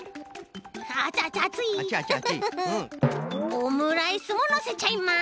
オムライスものせちゃいます。